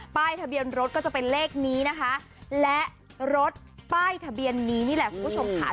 ทะเบียนรถก็จะเป็นเลขนี้นะคะและรถป้ายทะเบียนนี้นี่แหละคุณผู้ชมค่ะ